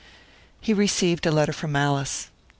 He received a letter from Alice.